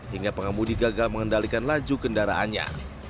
hingga pengemudi gagal mengendalikan laju kendaraannya